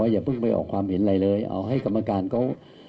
อย่าเพิ่งไปออกความเห็นอะไรเลยเอาให้กรรมการเขา